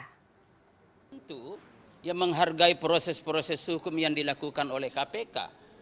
tentu yang menghargai proses proses hukum yang dilakukan oleh kpk